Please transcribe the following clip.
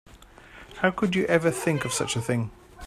How could you ever think of such a thing?